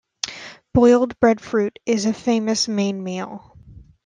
Boiled breadfruit is a famous main meal.